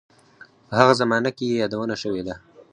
په هغه زمانه کې یې یادونه شوې ده.